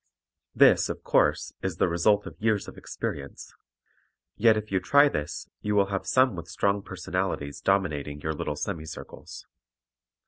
This, of course, is the result of years of experience, yet if you try this you will have some with strong personalities dominating your little semi circles.